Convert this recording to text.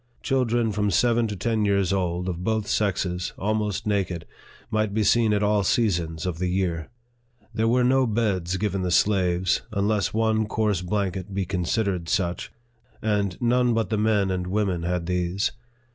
Children from seven to ten years old, of both sexes, almost naked, might be seen at all seasons of the year. There were no beds given the slaves, unless one coarse blanket be considered such, and none but the men and women had these.